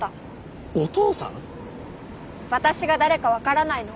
私が誰かわからないの？